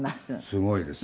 すごいです。